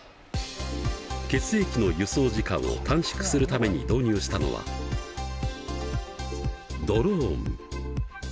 血液の輸送時間を短縮するために導入したのはドローン！